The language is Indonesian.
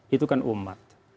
itu kan umat